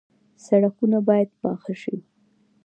سړکونه باید پاخه شي